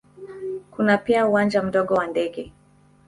Kuna pia uwanja mdogo wa ndege.